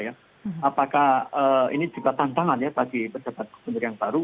apakah ini juga tantangan bagi pejabat kebunan yang baru